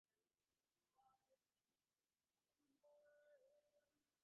তিনি তুর্কীদের বিরুদ্ধে সংগঠিত আরব বিদ্রোহের অন্যতম নেতায় পরিণত হন।